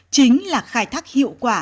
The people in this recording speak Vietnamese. chính là khai thác hiệu quả